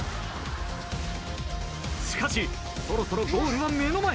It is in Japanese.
しかしそろそろゴールは目の前。